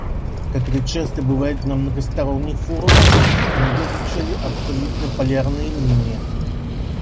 Как это часто бывает на многосторонних форумах, иногда звучали абсолютно полярные мнения.